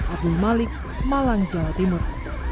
abdul malik malang jawa timur